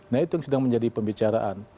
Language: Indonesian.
nah itu yang sedang menjadi pembicaraan